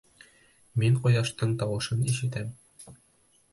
— Мин ҡояштың тауышын ишетәм.